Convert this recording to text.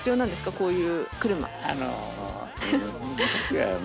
こういう車。